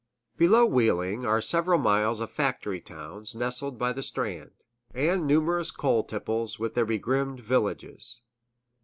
Below Wheeling are several miles of factory towns nestled by the strand, and numerous coal tipples, with their begrimed villages.